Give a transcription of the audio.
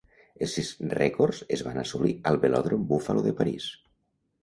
Els sis rècords es van assolir al Velòdrom Buffalo de París.